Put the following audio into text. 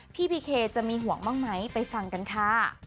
พี่พีเคจะมีห่วงบ้างไหมไปฟังกันค่ะ